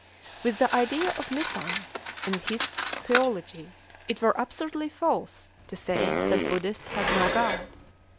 With the idea of Niphan in his theology, it were absurdly false to say the Buddhist has no God.